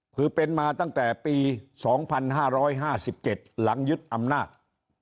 คือเป็นมาตั้งแต่ปี๒๕๕๗หลังยึดอำนาจ